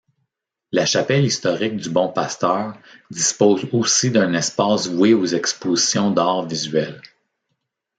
La Chapelle historique du Bon-Pasteur dispose aussi d’un espace voué aux expositions d’arts visuels.